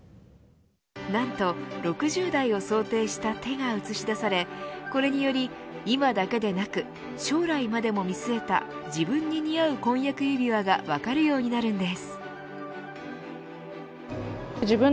何と、６０代を想定した手が映し出されこれにより今だけでなく将来までも見据えた自分に似合う婚約指輪が分かるようになるんです。